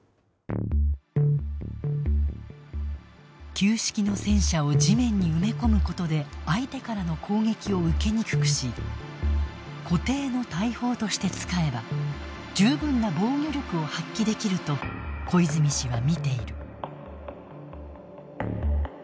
旧式の戦車を地面に埋め込むことで相手からの攻撃を受けにくくし固定の大砲として使えば十分な防御力を発揮できると小泉氏は見ている。